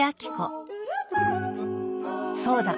そうだ！